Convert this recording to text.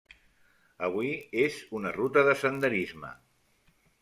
Avui és una ruta de senderisme.